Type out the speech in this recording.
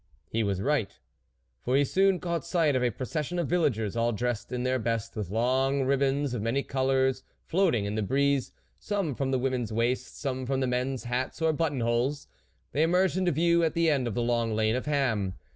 He was right, for he soon caught sight of a procession of villagers, all dressed in their best, with long ribands of many colours floating in the breeze, some from the women's waists, some from the men's hats or button holes. They emerged into view at the end of the long lane of Ham.